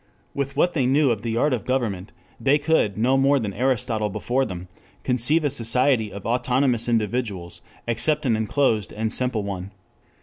With what they knew of the art of government, they could, no more than Aristotle before them, conceive a society of autonomous individuals, except an enclosed and simple one.